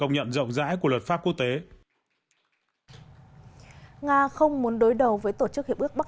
nhận rộng rãi của luật pháp quốc tế nga không muốn đối đầu với tổ chức hiệp ước bắc